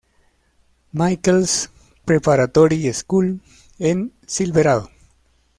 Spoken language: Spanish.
Michael's Preparatory School en Silverado.